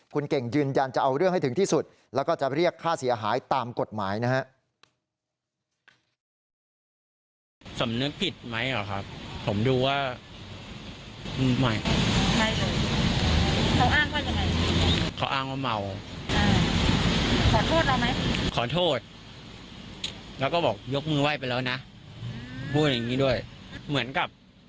คุณเก่งยืนยันจะเอาเรื่องให้ถึงที่สุดแล้วก็จะเรียกค่าเสียหายตามกฎหมายนะฮะ